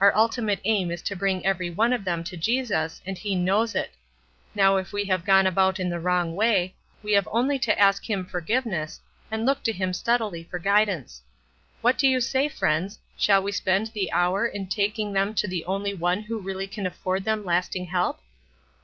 Our ultimate aim is to bring every one of them to Jesus and He knows it; now if we have gone about in the wrong way, we have only to ask Him forgiveness and look to Him steadily for guidance. What do you say, friends, shall we spend the hour in taking them to the only One who really can afford them lasting help?"